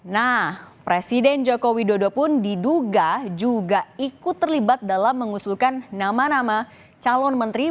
nah presiden joko widodo pun diduga juga ikut terlibat dalam mengusulkan nama nama calon menteri